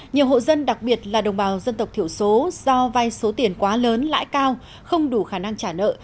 nhiều hộ dân đặc biệt là đồng bào dân tộc thiểu số do vai số tiền quá lớn lãi cao không đủ khả năng trả nợ